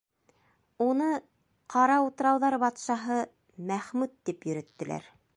Уны Ҡара утрауҙар батшаһы Мәхмүт тип йөрөттөләр.